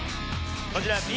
こちらＢ